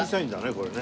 これね。